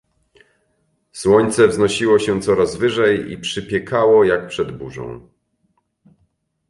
Słońce wznosiło się coraz wyżej i przypiekało jak przed burzą.